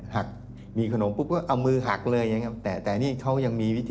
หักมีขนมก็แล้วเอามือหักเลย